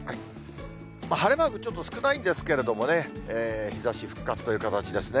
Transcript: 晴れマークちょっと少ないんですけれどもね、日ざし復活という形ですね。